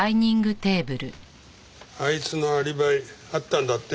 あいつのアリバイあったんだって？